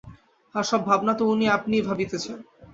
আর-সব ভাবনা তো উনি আপনিই ভাবিতেছেন।